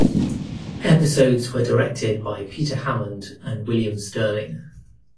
Episodes were directed by Peter Hammond and William Sterling.